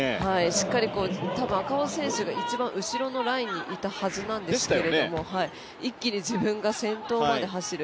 しっかり多分、赤穂選手が一番後ろのラインにいたはずなんですけれども一気に自分が先頭まで走る。